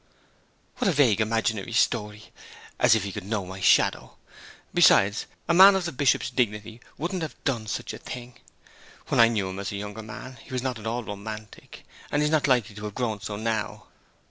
'What a vague, imaginary story, as if he could know my shadow! Besides, a man of the Bishop's dignity wouldn't have done such a thing. When I knew him as a younger man he was not at all romantic, and he's not likely to have grown so now.'